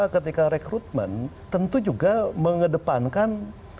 ketika rekrutmen tentu juga mengedepankan